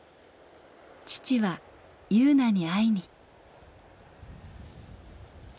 父は汐凪に会いに。